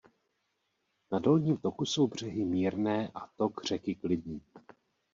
Na dolním toku jsou břehy mírné a tok řeky klidný.